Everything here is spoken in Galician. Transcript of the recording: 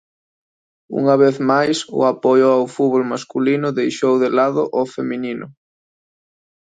Unha vez máis o apoio ao fútbol masculino deixou de lado o feminino.